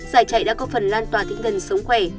giải chạy đã có phần lan tỏa tinh thần sống khỏe